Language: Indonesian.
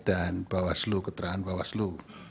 dan bahwa selu keterangan bahwa selu